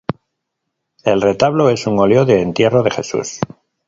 El retablo es un óleo del entierro de Jesús.